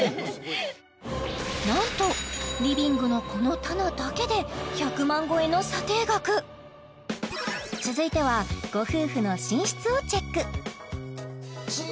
なんとリビングのこの棚だけで１００万超えの査定額続いてはご夫婦の寝室をチェック